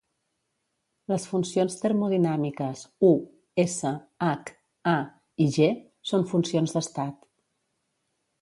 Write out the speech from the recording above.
Les funcions termodinàmiques "U", "S", "H", "A" i "G" són funcions d'estat.